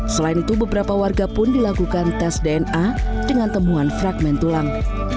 selain itu beberapa warga pun dilakukan tes dna dengan temuan fragment tulang